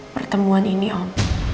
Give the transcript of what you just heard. pertemuan ini om